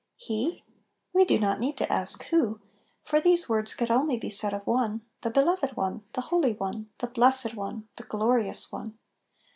HE ! We do not need to ask " Who ?" for these words could only be said of One, — the Beloved One, the Holy One, the Blessed One, the Glorious One